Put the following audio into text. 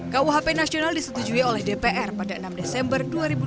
kuhp nasional disetujui oleh dpr pada enam desember dua ribu dua puluh